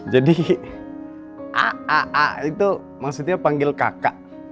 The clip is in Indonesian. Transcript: jadi a a a itu maksudnya panggil kakak